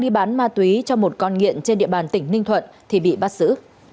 đi bán ma túy cho một con nghiện trên địa bàn tỉnh ninh thuận thì bị bắt giữ